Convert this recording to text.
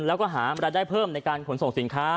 และหาบรรดายเพิ่มในการขนส่งสินค้า